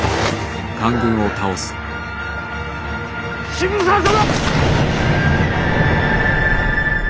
渋沢様！